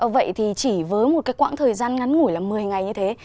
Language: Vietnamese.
vậy thì chỉ với một khoảng thời gian ngắn ngủi là một mươi ngày như thế